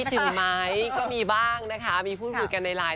ถึงไหมก็มีบ้างนะคะมีพูดคุยกันในไลน์